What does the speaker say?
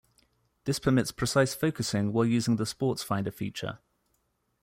This permits precise focusing while using the sports finder feature.